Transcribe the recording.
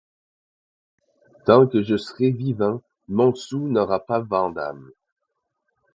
Tant que je serai vivant, Montsou n’aura pas Vandame…